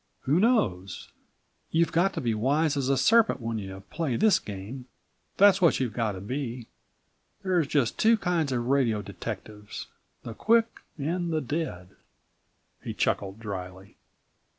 Who knows? You've got to be wise as a serpent when you play this game, that's what you've got to be. There's just two kinds of radio detectives, the quick and the dead." He chuckled dryly.